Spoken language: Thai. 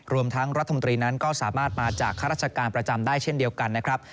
รวมทั้งรัฐมนตรีนั้นก็สามารถมาจากข้าราชการประจำได้เช่นเดียวกันนะครับ